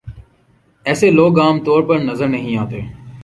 ایسے لوگ عام طور پر نظر نہیں آتے